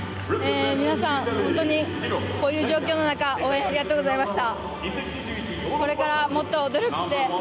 皆さん、本当にこういう状況の中応援ありがとうございました。